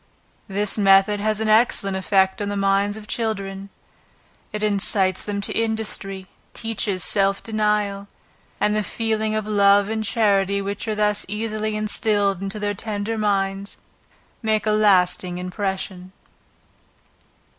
This method has an excellent effect on the minds of children; it incites them to industry, teaches self denial, and the feelings of love and charity which are thus early instilled into their tender minds, make a lasting impression.